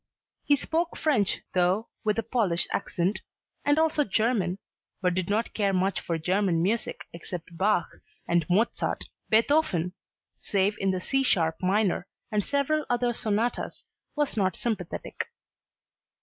He spoke French though with a Polish accent, and also German, but did not care much for German music except Bach and Mozart. Beethoven save in the C sharp minor and several other sonatas was not sympathetic.